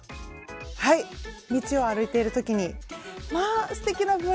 はい道を歩いている時に「まあすてきなブラウスですわね。